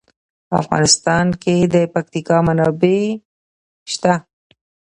په افغانستان کې د پکتیکا منابع شته.